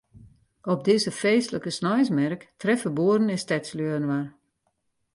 Op dizze feestlike sneinsmerk treffe boeren en stedslju inoar.